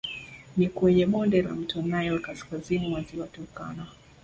Ni kwenye bonde la mto Nile kaskazini mwa ziwa Turkana